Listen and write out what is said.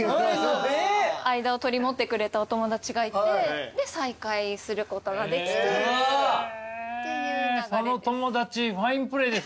間を取り持ってくれたお友達がいてで再会することができてっていう流れです。